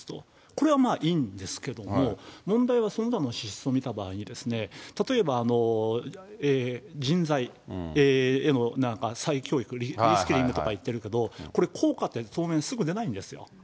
これはまあいいんですけれども、問題はその他の支出を見た場合にですね、例えば人材への再教育、リ・スキリングっていってますけど、これ、効果って当面、すぐは出ないんですよ。